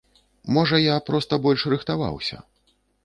Можа, я проста больш рыхтаваўся.